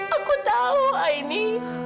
aku tahu aini